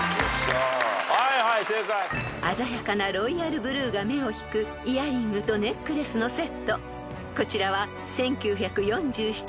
［鮮やかなロイヤルブルーが目を引くイヤリングとネックレスのセット］